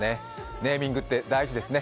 ネーミングって大事ですね。